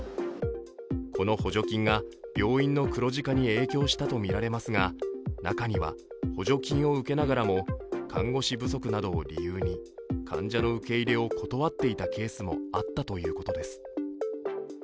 この補助金が病院の黒字化に影響したとみられますが、中には、補助金を受けながらも看護師不足を理由に患者の受け入れを断っていたケースもあったということです。